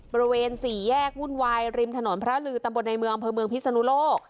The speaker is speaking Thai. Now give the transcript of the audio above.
บริเวณสี่แยกวุ่นวายริมถนนพระลือตำบลในเมืองอำเภอเมืองพิศนุโลก